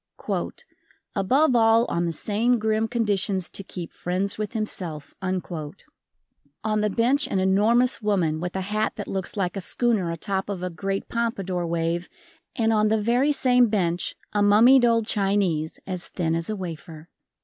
"Above all on the same grim conditions to keep friends with himself." On the bench an enormous woman with a hat that looks like a schooner atop of a great pompadour wave and on the very same bench a mummied old Chinese as thin as a wafer.